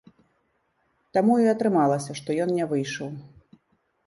Таму і атрымалася, што ён не выйшаў.